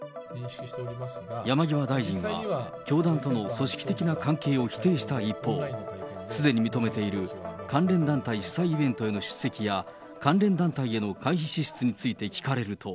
山際大臣は、教団との組織的な関係を否定した一方、すでに認めている関連団体主催イベントへの出席や、関連団体への会費支出について聞かれると。